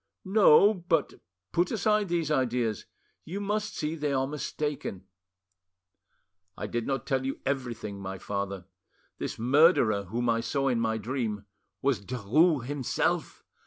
"No. But put aside these ideas; you must see they are mistaken." "I did not tell everything, my father: this murderer whom I saw in my dream—was Derues himself!